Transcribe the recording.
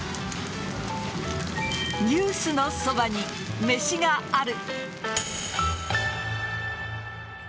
「ニュースのそばに、めしがある。」